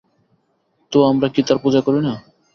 তো আমরা কি তার পূজা করি না?